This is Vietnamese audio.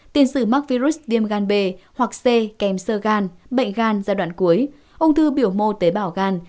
tiên sử mắc virus viêm gan b hoặc c kèm sơ gan bệnh gan giai đoạn cuối ông thư biểu mô tế bảo gan